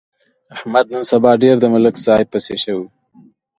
احمد نن سبا ډېر د ملک صاحب پسې شوی.